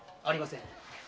ありません。